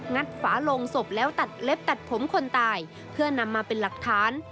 ฝาโลงศพแล้วตัดเล็บตัดผมคนตายเพื่อนำมาเป็นหลักฐาน